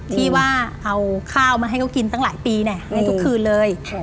ที่ว่าเอาข้าวมาให้เขากินตั้งหลายปีในทุกคืนเลย